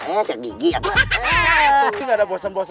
eh ser gigi apa